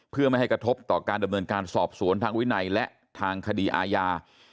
เพื่อไม่ให้กระทบต่อการดำเนินการสอบสวนทางวินัยและทางคดีอาญา